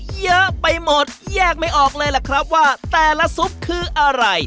เยอะไปหมดแยกไม่ออกเลยล่ะครับว่าแต่ละซุปคืออะไร